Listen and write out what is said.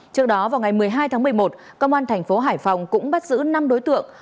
trước đó vào ngày một mươi hai tháng một mươi một công an thành phố hải phòng cũng bắt giữ năm đối tượng